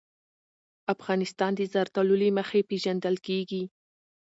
افغانستان د زردالو له مخې پېژندل کېږي.